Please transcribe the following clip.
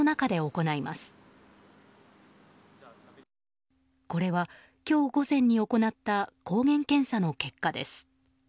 これは今日午前に行った抗原検査の結果です。